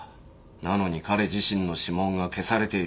なのに彼自身の指紋が消されている。